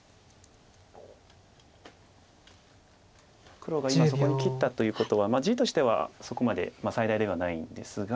黒が今そこに切ったということは地としてはそこまで最大ではないんですが。